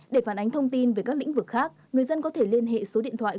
để phản ánh thông tin về các lĩnh vực khác người dân có thể liên hệ số điện thoại